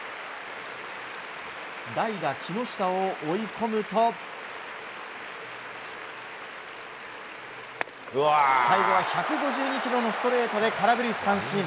代打・木下を追い込むと最後は１５２キロのストレートで空振り三振。